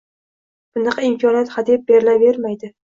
Bunaqa imkoniyat hadeb berilavermaydi.